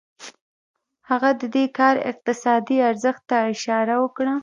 هغه د دې کار اقتصادي ارزښت ته اشاره وکړه